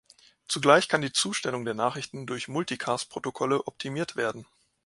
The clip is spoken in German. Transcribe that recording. Zugleich kann die Zustellung der Nachrichten durch Multicast-Protokolle optimiert werden.